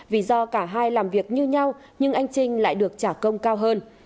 vì do cả hai làm việc như nhau nhưng anh trinh lại được trả công cao hơn